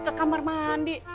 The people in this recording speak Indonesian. ke kamar mandi